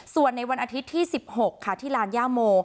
ส่วนในวันอาทิตย์ที่๑๖ค่ะที่ลานย่าโม